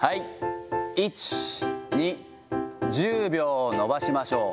１、２、１０秒伸ばしましょう。